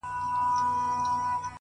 پرمختګ د ثابت قدمۍ حاصل دی